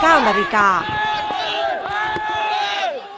ติดตามคืนนี้๑๙นาฬิกา